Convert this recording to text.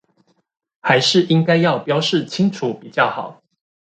還是應該要標示清楚比較好